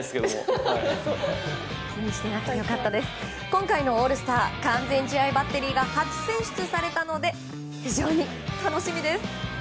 今回のオールスター完全試合バッテリーが初選出されたので非常に楽しみです。